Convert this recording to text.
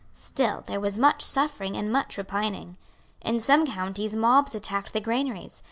Still there was much suffering and much repining. In some counties mobs attacked the granaries.